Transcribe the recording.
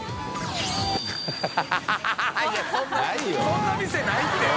そんな店ないって！